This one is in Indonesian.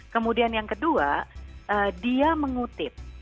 kemudian yang kedua dia mengutip